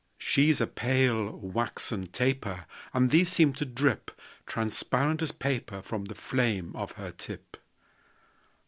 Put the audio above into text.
She's a pale, waxen taper; And these seem to drip Transparent as paper From the flame of her tip.